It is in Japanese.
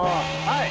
はい。